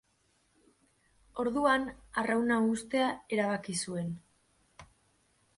Orduan arrauna uztea erabaki zuen.